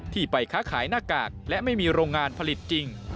ไปค้าขายหน้ากากและไม่มีโรงงานผลิตจริง